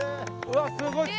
うわっすごい。